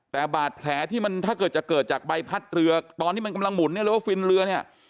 แต่บาดแผลที่มันถ้าเกิดจะเกิดจากใบพัดเรือตอนที่มันกำลังหุ่นเนี่ยหรือว่าฟินเรือเนี่ย